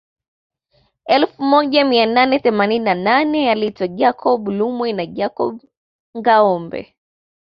Elfu moja mia nane themanini na nane aliitwa Jacob Lumwe au Jacob Ngâombe